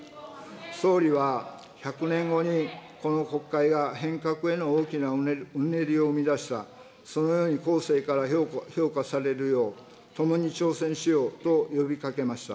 総理は、１００年後にこの国会が変革への大きなうねりを生み出した、そのように後世から評価されるよう、共に挑戦しようと呼びかけました。